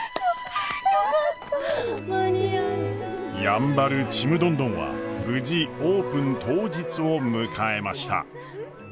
やんばるちむどんどんは無事オープン当日を迎えました。